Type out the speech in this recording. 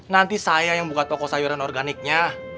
nanti saya yang buka toko sayuran organiknya